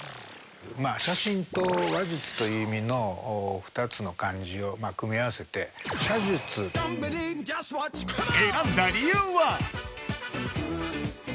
まあ写真と話術という意味の２つの漢字を組み合わせて選んだ理由は？